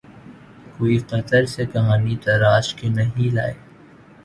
کوئی قطر سے کہانی تراش کے نہیں لائے۔